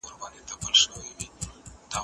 زه به سبا سبزیجات وچوم،